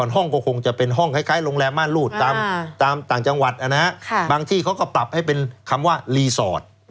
ห้องก็คงจะเป็นห้องคล้ายโรงแรมม่านรูดตามต่างจังหวัดบางที่เขาก็ปรับให้เป็นคำว่ารีสอร์ท